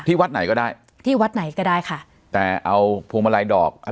วัดไหนก็ได้ที่วัดไหนก็ได้ค่ะแต่เอาพวงมาลัยดอก